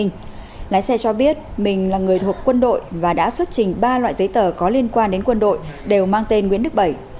lái xe cho biết mình là người thuộc quân đội và đã xuất trình ba loại giấy tờ có liên quan đến quân đội đều mang tên nguyễn đức bảy